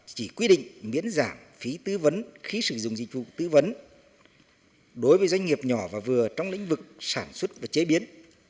chỉ quy định miễn giảm phí tư vấn khí sử dụng dịch vụ tư vấn đối với doanh nghiệp nhỏ và vừa trong lĩnh vực sản xuất và chế biến